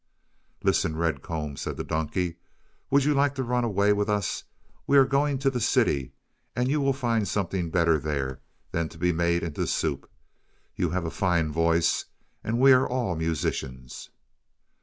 "Listen, Red Comb," said the donkey. "Would you like to run away with us? We are going to the city, and you will find something better there than to be made into soup. You have a fine voice, and we are all musicians."